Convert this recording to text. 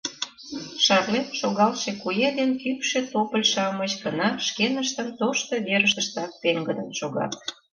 Шарлен шогалше куэ ден кӱкшӧ тополь-шамыч гына шкеныштын тошто верыштыштак пеҥгыдын шогат.